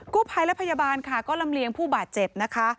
กู้ภัยและพยาบาลค่ะก็ลำเลียงผู้บาดเจ็บนะคะ